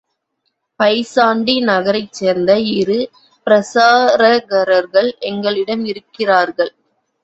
பைசாண்டின் நகரைச்சேர்ந்த இரு பிரசாரகர்கள் எங்களிடம் இருக்கிறார்கள்.